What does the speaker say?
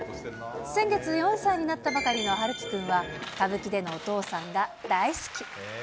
先月、４歳になったばかりの陽喜くんは、歌舞伎でのお父さんが大好き。